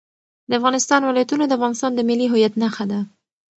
د افغانستان ولايتونه د افغانستان د ملي هویت نښه ده.